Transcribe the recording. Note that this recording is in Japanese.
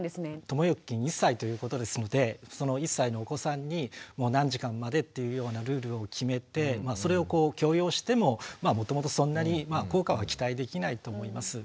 ともゆきくん１歳ということですのでその１歳のお子さんに何時間までというようなルールを決めてそれを強要してももともとそんなに効果は期待できないと思います。